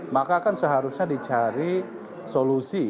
maka kan seharusnya dicari solusi